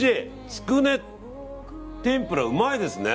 つくね天ぷらうまいですね。